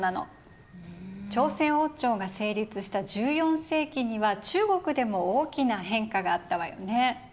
朝鮮王朝が成立した１４世紀には中国でも大きな変化があったわよね？